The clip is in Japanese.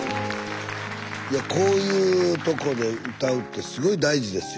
いやこういうとこで歌うってすごい大事ですよ。